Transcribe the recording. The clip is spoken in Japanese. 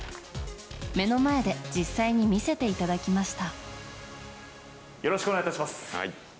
目の前で実際に見せていただきました。